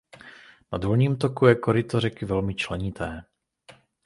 Na dolním toku je koryto řeky velmi členité.